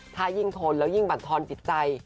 ถ้ายิ่งทนแล้วยิ่งบรรทอนจิตใจ